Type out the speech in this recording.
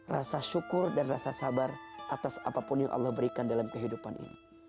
rasa syukur dan rasa sabar atas apapun yang allah berikan dalam kehidupan ini